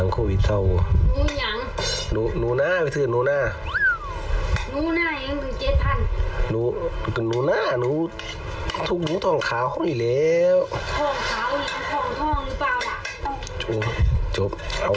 ครับ